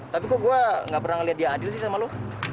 tapi kok gue gak pernah ngeliat dia adil sih sama lo